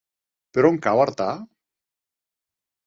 Per on cau Artà?